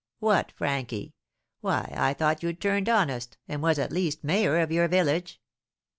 What, Franky! Why, I thought you'd turned honest, and was, at least, mayor of your village."